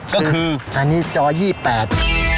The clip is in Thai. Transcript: ก็คืออันนี้จอ๒๘บาท